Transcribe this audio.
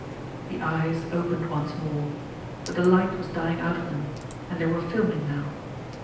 The eyes opened once more but the light was dying out of them, and they were filming now.